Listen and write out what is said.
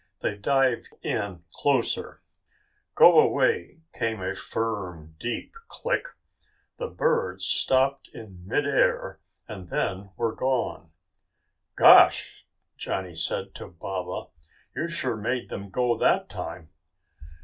They dived in closer. "Go away," came a firm, deep click. The birds stopped in mid air and then were gone. "Gosh," Johnny said to Baba, "you sure made them go that time."